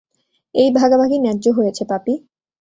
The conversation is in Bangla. এই ভাগাভাগি নায্য হয়েছে, পাপি।